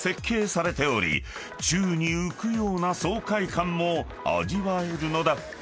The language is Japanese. ［宙に浮くような爽快感も味わえるのだ］